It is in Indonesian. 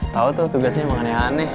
tau tuh tugasnya emang aneh aneh